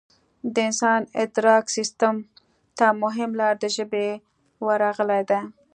د انسان ادراک سیستم ته مهمه لار د ژبې ورغلې ده